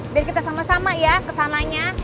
biar kita sama sama ya kesananya